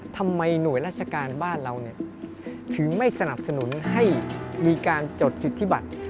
หน่วยราชการบ้านเราถึงไม่สนับสนุนให้มีการจดสิทธิบัติ